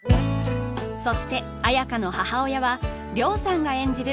そして綾華の母親はりょうさんが演じる